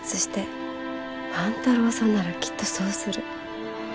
万太郎さんならきっとそうする。